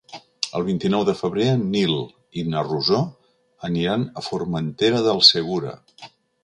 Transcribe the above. El vint-i-nou de febrer en Nil i na Rosó aniran a Formentera del Segura.